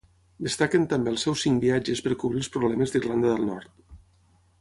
Destaquen també els seus cinc viatges per cobrir els problemes d'Irlanda del Nord.